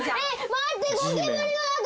待って！